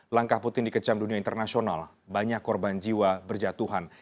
langkah putin dikecam dunia internasional banyak korban jiwa berjatuhan